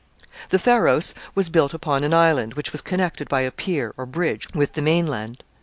] The Pharos was built upon an island, which was connected by a pier or bridge with the main land.